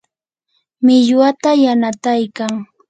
millwata yanataykan.